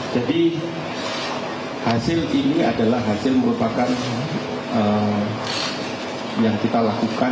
jadi hasil ini adalah hasil merupakan yang kita lakukan